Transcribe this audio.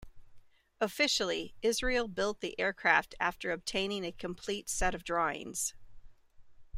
Officially, Israel built the aircraft after obtaining a complete set of drawings.